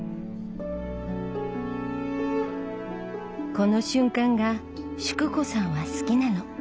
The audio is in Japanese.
この瞬間が淑子さんは好きなの。